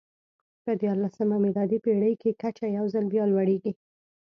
په دیارلسمه میلادي پېړۍ کې کچه یو ځل بیا لوړېږي.